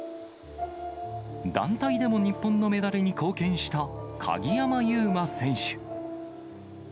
団体でも日本のメダルに貢献した、鍵山優真選手。